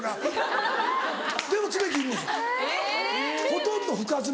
ほとんど深爪。